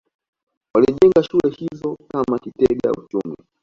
Walijenga shule hizo kama kitega uchumi